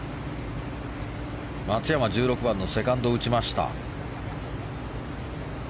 松山、１６番のセカンドを打ちました。